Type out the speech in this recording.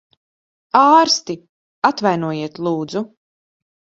Ārsti! Atvainojiet, lūdzu.